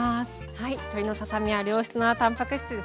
はい鶏のささ身は良質なたんぱく質ですからね。